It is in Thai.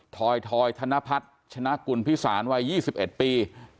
ทอยทอยธนพรรดิชนะกุลพิสารวัย๒๑ปี